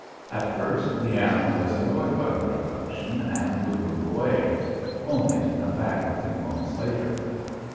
At first the animal was annoyed by the reflection and would move away, only to come back a few moments later.